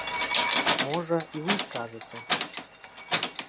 Можа, і вы скажаце.